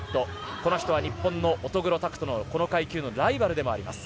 この人は日本の乙黒拓斗のこの階級ライバルでもあります。